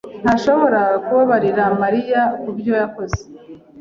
ntashobora kubabarira Mariya kubyo yakoze.